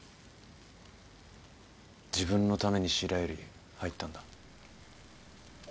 自分のために白百合入ったんだ。